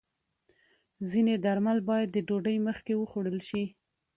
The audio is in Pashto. ځینې درمل باید د ډوډۍ مخکې وخوړل شي.